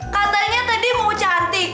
katanya tadi mau cantik